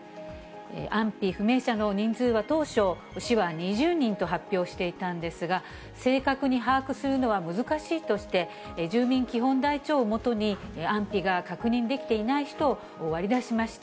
安否不明者の人数は当初、市は２０人と発表していたんですが、正確に把握するのは難しいとして、住民基本台帳を基に、安否が確認できていない人を割り出しました。